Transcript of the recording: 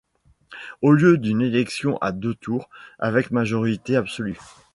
Au lieu d'une élection a deux tours, avec majorité absolue.